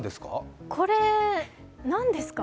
これ、何ですか？